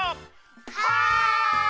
はい！